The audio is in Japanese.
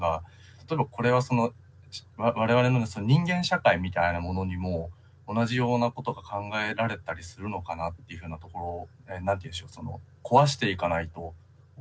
例えばこれはその我々の人間社会みたいなものにも同じようなことが考えられたりするのかなっていうふうなところ壊していかないといずれ